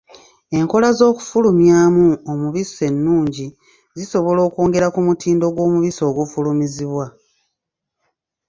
Enkola z'okufulumyamu omubisi ennungi zisobola okwongera ku mutindo gw'omubisi ogufulumizibwa.